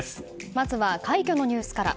まずは、快挙のニュースから。